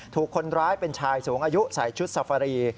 ถูกคนร้ายเป็นชายสูงอายุใส่ชุดซาฟารี